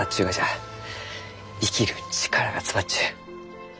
生きる力が詰まっちゅう。